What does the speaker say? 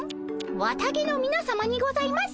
綿毛のみなさまにございます。